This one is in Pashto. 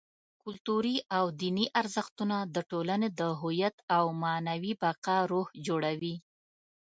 کلتوري او دیني ارزښتونه: د ټولنې د هویت او معنوي بقا روح جوړوي.